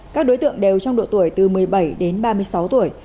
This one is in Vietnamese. các đối tượng đều trong độ tuổi từ một mươi bảy đến ba mươi sáu tuổi